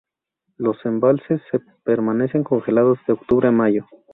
Los embalses permanecen congelados de octubre a mayo.